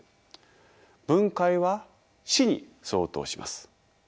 「分解」は「死」に相当します。